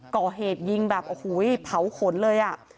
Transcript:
ก่อเหตุยิงแบบโอ้โหเผาขนเลยอ่ะ